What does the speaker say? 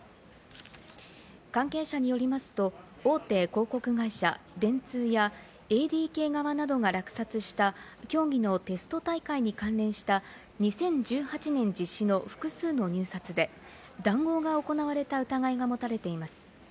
関係者によりますと、大手広告会社・電通やＡＤＫ側などが落札した、競技のテスト大会に関連した２０１８年実施の複数の入札で、談合が行われた疑いが持たれています。